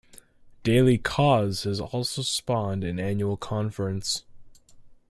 Daily Kos has also spawned an annual conference.